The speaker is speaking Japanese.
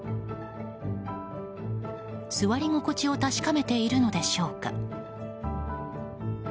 座り心地を確かめているのでしょうか。